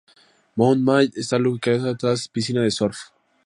Mount mayday está localizado atrás de la piscina de surf.